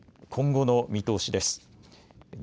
今後の見通しです。